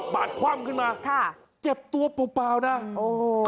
บาดคว่ำขึ้นมาแจ็บตัวเปล่านะโอ้โฮ